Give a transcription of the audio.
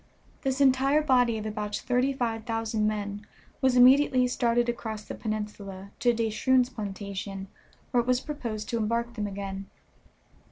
This entire body of about thirty five thousand men was immediately started across the peninsula to De Shroon's plantation, where it was proposed to embark them again.